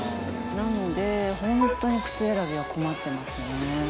なのでホントに靴選びは困ってますね。